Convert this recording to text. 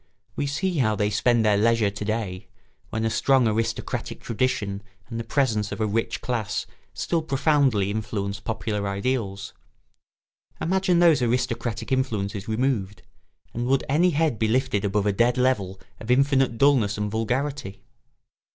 We see how they spend their leisure to day, when a strong aristocratic tradition and the presence of a rich class still profoundly influence popular ideals. Imagine those aristocratic influences removed, and would any head be lifted above a dead level of infinite dulness and vulgarity?